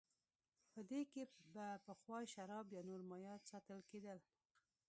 په دې کې به پخوا شراب یا نور مایعات ساتل کېدل